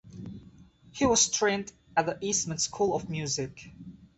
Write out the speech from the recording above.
He was trained at the Eastman School of Music.